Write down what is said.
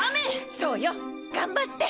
そうよ頑張って！